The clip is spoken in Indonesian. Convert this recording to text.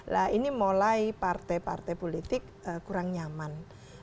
nah ini mulai partai partai politik kurang nyaman